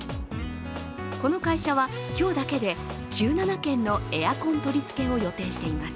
この会社は、今日だけで１７件のエアコン取り付けを予定しています。